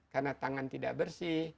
karena tangan tidak bersih